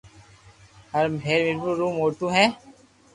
ھير مير پور خاص رو موٽو ھي